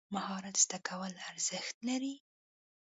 مهارت زده کول ارزښت لري.